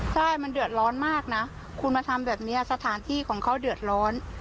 ใช่มันเดือดร้อนมากนะคุณมาทำแบบนี้สถานที่ของเขาเดือดร้อน